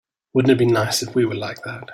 Wouldn't it be nice if we were like that?